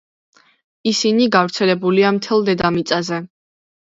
ისინი გავრცელებულია მთელ დედამიწაზე.